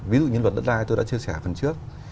ví dụ như luật đất đai tôi đã chia sẻ phần trước